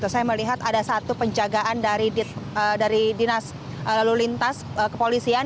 saya melihat ada satu penjagaan dari dinas lalu lintas kepolisian